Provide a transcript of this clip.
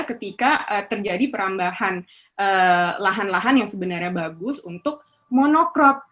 ketika terjadi perambahan lahan lahan yang sebenarnya bagus untuk monokrop